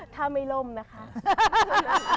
ถ้าไม่ล่มนะคะ